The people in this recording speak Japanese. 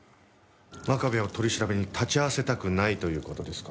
真壁を取り調べに立ち会わせたくないという事ですか？